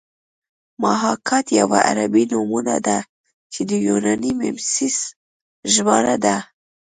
محاکات یوه عربي نومونه ده چې د یوناني میمیسیس ژباړه ده